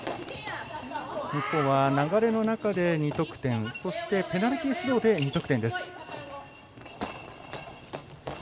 日本は流れの中で２得点そして、ペナルティースローで２得点です。